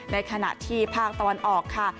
ในขณะที่ภาคตะวันออกค่ะ